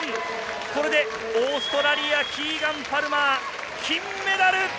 これでオーストラリア、キーガン・パルマー、金メダル！